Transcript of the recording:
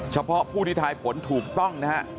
เฉพาะผู้ที่ทายผลถูกต้องนะฮะ